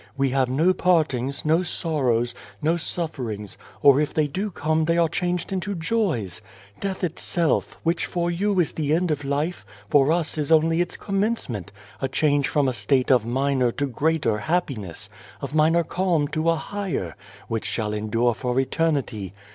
We have no partings, no sorrows, no suffer ings, or if they do come they are changed into joys. Death itself, which for you is the end of life, for us is only its commencement, a cluinge from a state of minor to greater happiness, of minor calm to a higher, which shall endure for eternity.